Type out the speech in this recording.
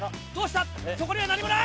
そこには何もない！